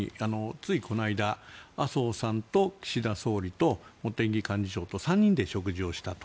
ついこの間、麻生さんと岸田総理と茂木幹事長と３人で食事をしたと。